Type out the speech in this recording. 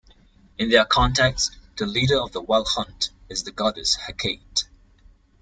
In their context, the leader of the Wild Hunt is the goddess Hecate.